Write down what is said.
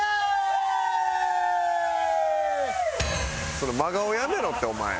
その真顔やめろってお前。